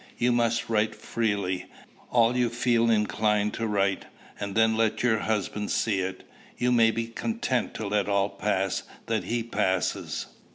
"You must write freely, all you feel inclined to write, and then let your husband see it. You may be content to let all pass that he passes."